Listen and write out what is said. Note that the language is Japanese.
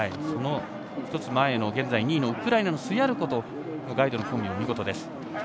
その１つ前の現在２位のウクライナのスヤルコとガイドのコンビも見事です。